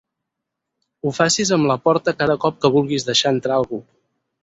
Ho facis amb la porta cada cop que vulguis deixar entrar algú.